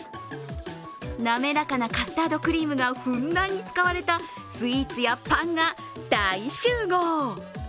滑らかなカスタードクリームがふんだんに使われたスイーツやパンが大集合。